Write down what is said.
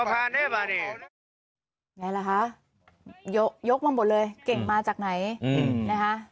อย่างเงี้ยแหละค่ะยกยกบางบนเลยเก่งมาจากไหนอืมนะคะ